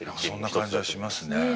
そんな感じがしますね。